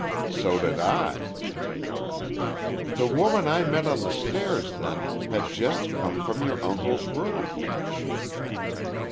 "So did I." "The woman I met on the stairs, then, had just come from your uncle's rooms."